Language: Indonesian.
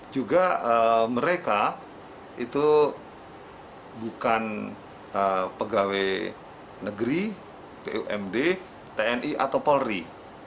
juga mereka itu bukan pegawai negeri bumd tni atau polri